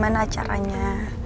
ya udah makannya